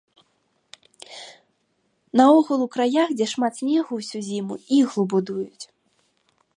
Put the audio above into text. Наогул у краях, дзе шмат снегу ўсю зіму, іглу будуюць.